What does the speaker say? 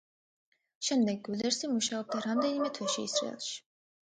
შემდეგ ვილდერსი მუშაობდა რამდენიმე თვე ისრაელში.